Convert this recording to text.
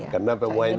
karena pemua ini kan